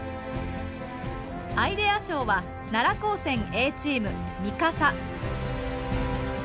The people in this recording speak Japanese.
アイデア賞は奈良高専Ａチーム「三笠」。